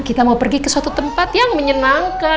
kita mau pergi ke suatu tempat yang menyenangkan